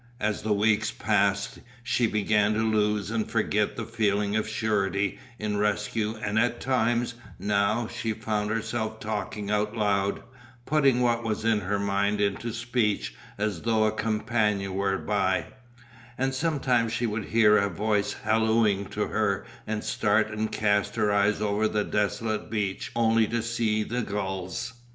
As the weeks passed she began to lose and forget the feeling of surety in rescue and at times, now, she found herself talking out loud, putting what was in her mind into speech as though a companion were by, and sometimes she would hear a voice hallooing to her and start and cast her eyes over the desolate beach only to see the gulls.